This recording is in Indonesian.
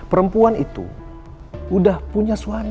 perempuan itu sudah punya suami